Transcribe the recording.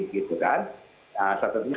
gitu kan satu satunya